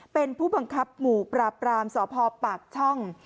เป็นผู้บังคับหมู่ปราบรามสพปากช่อง